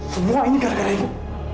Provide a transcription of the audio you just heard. semua ini gara gara ibu